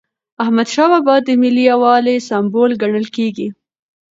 احمدشاه بابا د ملي یووالي سمبول ګڼل کېږي.